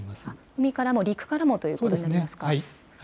海からも陸からもということですね。